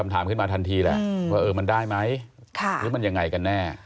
ถามขึ้นมาทันทีแหละว่ามันได้ไหมหรือมันยังไงกันแน่